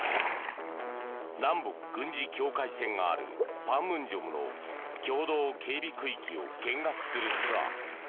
南北軍事境界線がある板門店の共同警備区域を見学するツアー。